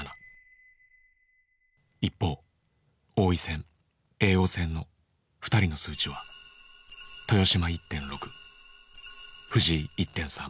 一方王位戦・叡王戦の２人の数値は豊島１．６藤井１．３。